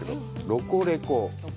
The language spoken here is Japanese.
「ロコレコ！」。